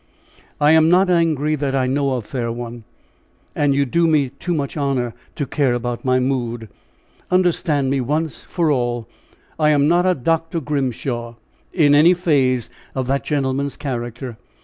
"I am not angry that I know of, fair one; and you do me too much honor to care about my mood. Understand me once for all. I am not a Dr. Grimshaw, in any phase of that gentleman's character.